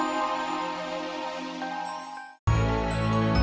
tahun berikut karena